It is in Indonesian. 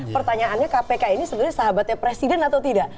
pertanyaannya kpk ini sebenarnya sahabatnya presiden atau tidak